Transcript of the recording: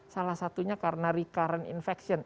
salah satunya karena recurrent infection